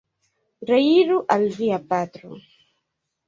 Reiru al via patro!